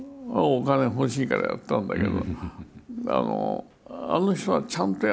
お金欲しいからやったんだけど。